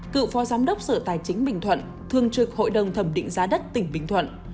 cựu phó giám đốc sở tài chính bình thuận thường trực hội đồng thẩm định giá đất tỉnh bình thuận